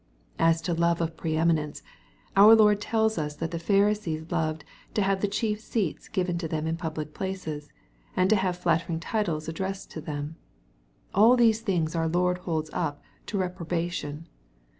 As to love of pre eminence, ovii Lord tells us that the Pharisees loved to have "the chief seats" given them in public places, and to have flattering titles addressed to them. All these things our Lord holds up to reprobation.